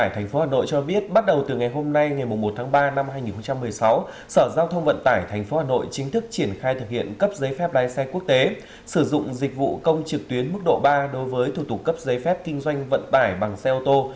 tp hà nội cho biết bắt đầu từ ngày hôm nay ngày một tháng ba năm hai nghìn một mươi sáu sở giao thông vận tải tp hà nội chính thức triển khai thực hiện cấp giấy phép lái xe quốc tế sử dụng dịch vụ công trực tuyến mức độ ba đối với thủ tục cấp giấy phép kinh doanh vận tải bằng xe ô tô